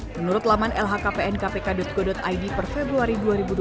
menurut laman lhkpnkpk go id per februari dua ribu dua puluh tiga